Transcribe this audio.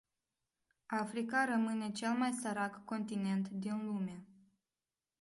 Africa rămâne cel mai sărac continent din lume.